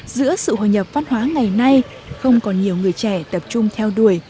giữa sự hồi nhập văn hóa ngày nay không còn nhiều người trẻ tập trung theo đuổi